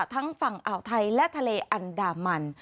ทั้งฝั่งอ่าวไทยและทะเลอันดามัน